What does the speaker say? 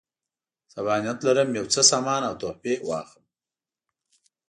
سبا نیت لرم یو څه سامان او تحفې واخلم.